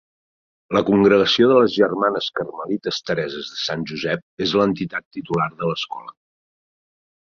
La Congregació de les Germanes Carmelites Tereses de Sant Josep és l'entitat titular de l'escola.